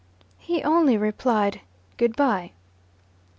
He only replied, "Good bye."